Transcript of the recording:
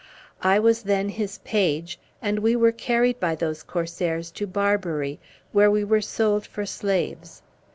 I was then his page, and we were carried by those corsairs to Barbary, where we were sold for slaves.